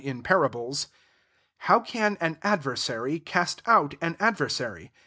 In parable^ '< How can ^ adversary, cast out an adversary ?